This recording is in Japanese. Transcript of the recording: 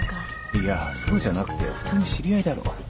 いやそうじゃなくて普通に知り合いだろ。